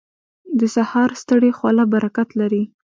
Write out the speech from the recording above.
• د سهار ستړې خوله برکت لري.